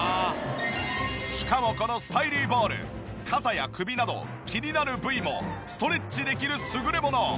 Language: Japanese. しかもこのスタイリーボール肩や首など気になる部位もストレッチできる優れもの。